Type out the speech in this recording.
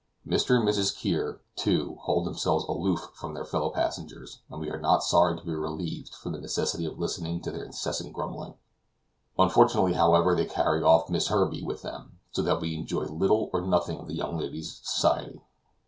Mr. and Mrs. Kear, too, hold themselves aloof from their fellow passengers, and we are not sorry to be relieved from the necessity of listening to their incessant grumbling; unfortunately, however, they carry off Miss Herbey with them, so that we enjoy little or nothing of the young lady's society.